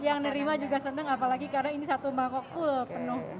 yang nerima juga senang apalagi karena ini satu mangkok full penuh